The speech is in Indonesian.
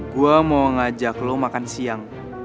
lo mau dik nawetin